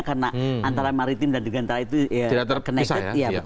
karena antara maritim dan gantara itu tidak terpisah